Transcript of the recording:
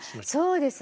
そうです。